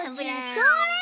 それ！